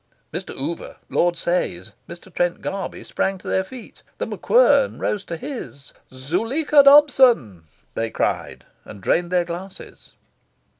Mr. Oover, Lord Sayes, Mr. Trent Garby, sprang to their feet; The MacQuern rose to his. "Zuleika Dobson!" they cried, and drained their glasses.